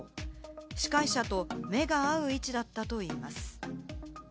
司会者と目が合う位置だったといいます。